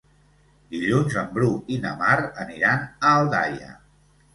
Dilluns en Bru i na Mar aniran a Aldaia.